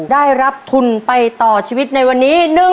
ได้รับทุนไปต่อชีวิตในวันนี้